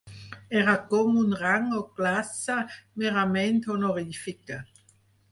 Era com un rang o classe merament honorífica.